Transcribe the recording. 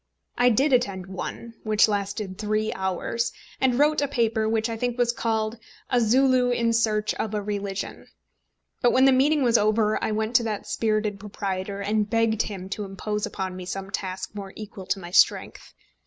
I did attend one, which lasted three hours, and wrote a paper which I think was called A Zulu in Search of a Religion. But when the meeting was over I went to that spirited proprietor, and begged him to impose upon me some task more equal to my strength.